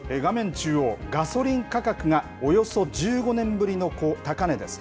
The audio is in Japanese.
中央、ガソリン価格がおよそ１５年ぶりの高値です。